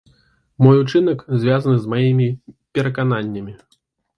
Мой учынак звязаны з маімі перакананнямі.